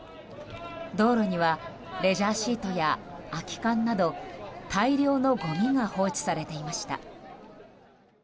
道路にはレジャーシートや空き缶など大量のごみが放置されていました。